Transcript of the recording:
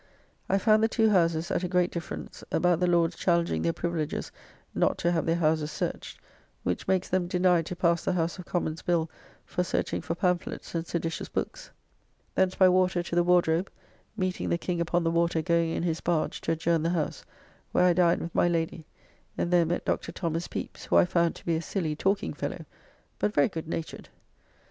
I found the two Houses at a great difference, about the Lords challenging their privileges not to have their houses searched, which makes them deny to pass the House of Commons' Bill for searching for pamphlets and seditious books. Thence by water to the Wardrobe (meeting the King upon the water going in his barge to adjourn the House) where I dined with my Lady, and there met Dr. Thomas Pepys, who I found to be a silly talking fellow, but very good natured.